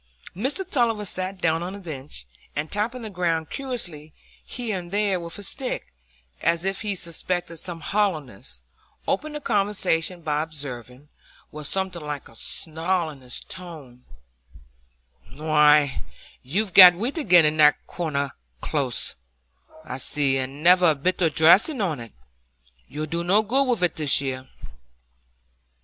Mr Tulliver sat down on the bench, and tapping the ground curiously here and there with his stick, as if he suspected some hollowness, opened the conversation by observing, with something like a snarl in his tone,— "Why, you've got wheat again in that Corner Close, I see; and never a bit o' dressing on it. You'll do no good with it this year."